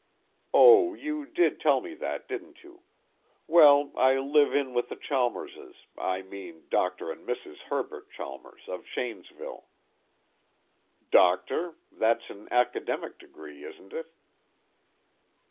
"Oh, you did tell me that, didn't you? Well, I live in with the Chalmerses, I mean Dr. and Mrs. Herbert Chalmers of Shanesville." "Doctor that's an academic degree, isn't it?"